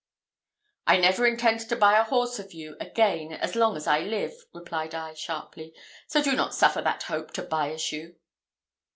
"I never intend to buy a horse of you again as long as I live," replied I, sharply; "so do not suffer that hope to bias you."